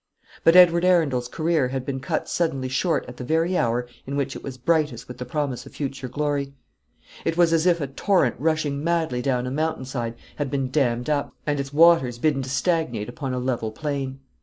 But Edward Arundel's career had been cut suddenly short at the very hour in which it was brightest with the promise of future glory. It was as if a torrent rushing madly down a mountain side had been dammed up, and its waters bidden to stagnate upon a level plain.